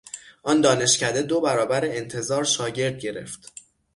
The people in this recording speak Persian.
آن دانشکده دو برابر انتظار شاگرد گرفت.